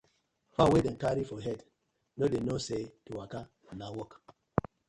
Fowl wey dem carry for head no dey know say to waka na work: